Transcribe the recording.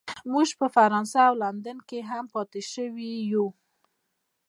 موږ په فرانسه او لندن کې هم پاتې شوي یو